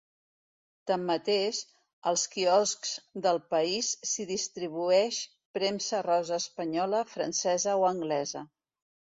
Tanmateix, als quioscs del país s'hi distribueix premsa rosa espanyola, francesa o anglesa.